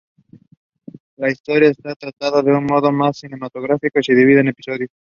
La historia está tratada de un modo más cinematográfico, y se divide en episodios.